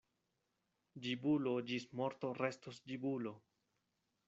Ĝibulo ĝis morto restos ĝibulo.